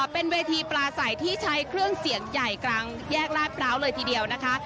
เป็นเวทีปลาใสที่ใช้เครื่องเสียงใหญ่กลางแยกลาดพร้าวเลยทีเดียวนะคะ